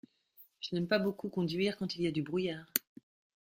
Je n'aime pas beaucoup conduire quand il y a du brouillard.